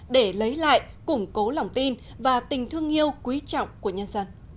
để lấy lại củng cố lòng tin và tình thương yêu quý trọng của nhân dân